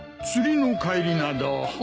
釣りの帰りなど。